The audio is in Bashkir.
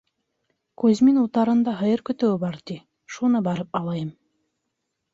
Кузьмин утарында һыйыр көтөүе бар, ти, шуны барып алайым.